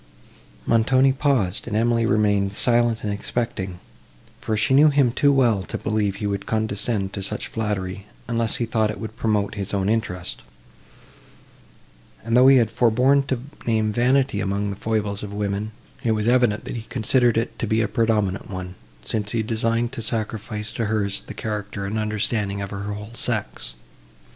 Montoni paused; and Emily remained silent and expecting; for she knew him too well, to believe he would condescend to such flattery, unless he thought it would promote his own interest; and, though he had forborne to name vanity among the foibles of women, it was evident, that he considered it to be a predominant one, since he designed to sacrifice to hers the character and understanding of her whole sex.